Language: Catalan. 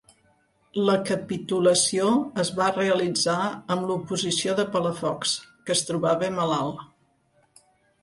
La capitulació es va realitzar amb l'oposició de Palafox, que es trobava malalt.